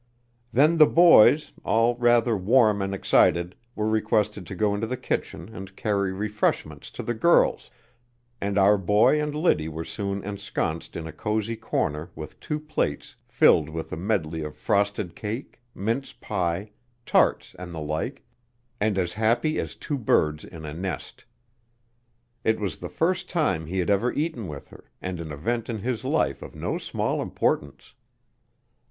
Then the boys, all rather warm and excited, were requested to go into the kitchen and carry refreshments to the girls, and our boy and Liddy were soon ensconced in a cosy corner with two plates filled with a medley of frosted cake, mince pie, tarts and the like, and as happy as two birds in a nest. It was the first time he had ever eaten with her, and an event in his life of no small importance.